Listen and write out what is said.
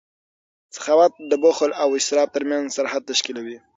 سخاوت د بخل او اسراف ترمنځ سرحد تشکیلوي.